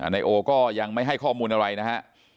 นายโอก็ยังไม่ให้ข้อมูลอะไรนะฮะ